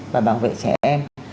và bảo vệ trẻ em